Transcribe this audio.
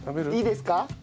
いいですか？